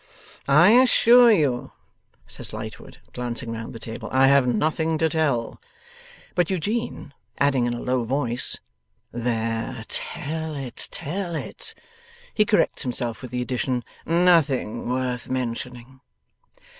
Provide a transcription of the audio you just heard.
'I assure you,' says Lightwood, glancing round the table, 'I have nothing to tell.' But Eugene adding in a low voice, 'There, tell it, tell it!' he corrects himself with the addition, 'Nothing worth mentioning.